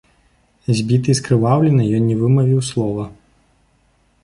Збіты і скрываўлены, ён не вымавіў слова.